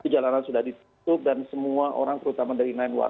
jalanan sudah ditutup dan semua orang terutama dari sembilan puluh satu